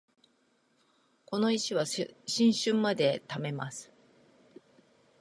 この石は新春まで貯めます